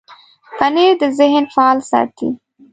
پنېر د ذهن فعاله ساتي.